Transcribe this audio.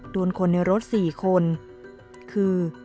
โดนคนในรถ๔คนคือ